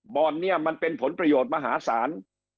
บอนมันเป็นผลประโยชน์มหาศาล